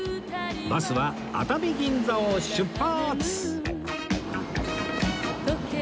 バスは熱海銀座を出発！